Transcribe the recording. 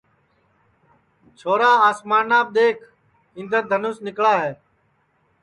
چھورا آسمانام دؔیکھ اِندر دھنوس نِکݪا ہے